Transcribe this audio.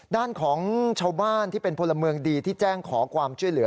ด้านของชาวบ้านที่เป็นพลเมืองดีที่แจ้งขอความช่วยเหลือ